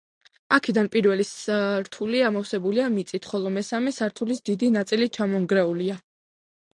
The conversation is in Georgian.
აქედან პირველი სართული ამოვსებულია მიწით, ხოლო მესამე სართულის დიდი ნაწილი ჩამონგრეულია.